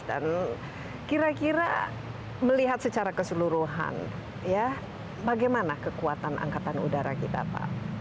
dan kira kira melihat secara keseluruhan ya bagaimana kekuatan angkatan udara kita pak agus